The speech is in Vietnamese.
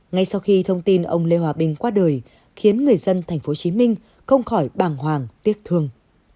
ngay sau khi thông tin ông lê hòa bình qua đời khiến người dân tp hcm không khỏi bàng hoàng tiếc thương